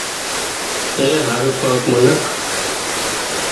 اين هارو ڪانڪ منک